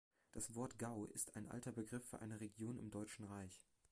Das Wort Gau ist ein alter Begriff für eine Region im Deutschen Reich.